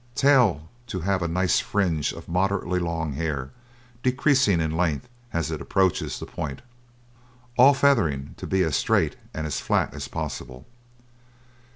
Tail to have a nice fringe of moderately long hair, decreasing in length as it approaches the point. All feathering to be as straight and as flat as possible.